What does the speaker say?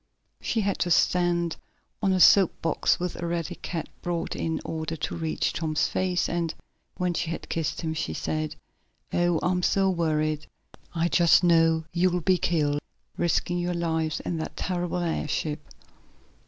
She had to stand on a soap box, which Eradicate brought in order to reach Tom's face, and, when she had kissed him she said: "Oh, I'm so worried! I just know you'll be killed, risking your lives in that terrible airship!"